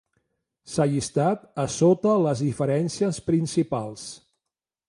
S'ha llistat a sota les diferències principals.